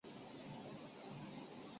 嘉庆二十年。